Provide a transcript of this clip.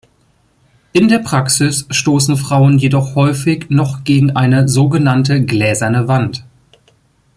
In der Praxis stoßen Frauen jedoch häufig noch gegen eine sogenannte gläserne Wand.